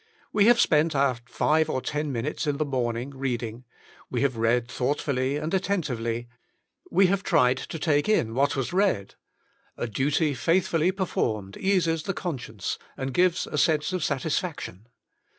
We have spent our five or ten minutes in the morning reading; we have read thoughtfully and attentively; we have tried to take in what was read: a duty faithfully performed eases the con science, and gives a sense of satisfaction.